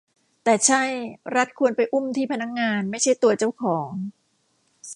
แต่ใช่ รัฐควรไปอุ้มที่พนักงาน ไม่ใช่ตัวเจ้าของ